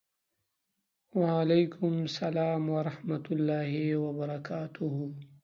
وعلیکم سلام ورحمة الله وبرکاته